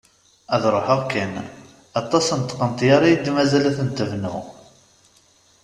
Ad ruḥeɣ kan; aṭas n tqenṭyar i yi-d-mazal ad tent-bnuɣ!